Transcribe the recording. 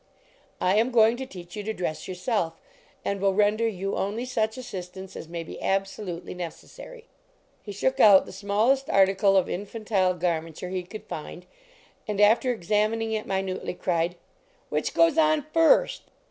"I am going to teach you to dress yourself, and will render you only such assistance as may be absolutely necessary." He shook out the smallest article of in fantile garmenture he could find, and, after examining it minutely, cried " Which goes on first?